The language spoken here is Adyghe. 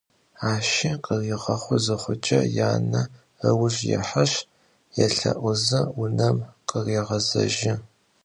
Aşi khıriğexhu zıxhuç'e, yane ıujj yêheşs, yêlhe'uze vunem khırêşejı.